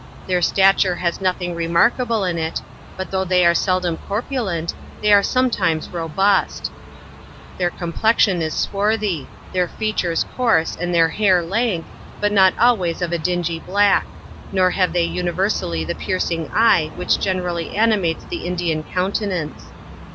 Their stature has nothing remarkable in it; but though they are seldom corpulent, they are sometimes robust. Their complexion is swarthy; their features coarse, and their hair lank, but not always of a dingy black; nor have they universally the piercing eye, which generally an 120 JOURNAL OF imates the Indian countenance.